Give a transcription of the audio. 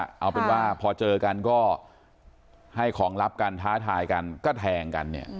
เอาเป็นว่าพอเจอกันก็ให้ของลับกันท้าทายกันก็แทงกันเนี่ย